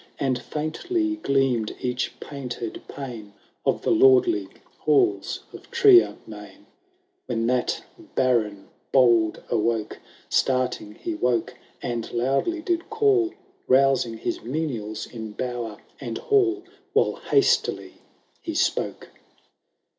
And fieuntly gleamM each painted pane Of the lordly halls of Triennain, When that Baron bold awoke. Starting he woke, and loudly did call. Bousing his menials in bower and hall. While hastily he spoke.